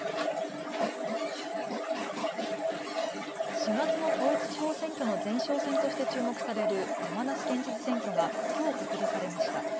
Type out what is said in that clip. ４月の統一地方選挙の前哨戦として注目される山梨県知事選挙がきょう告示されました。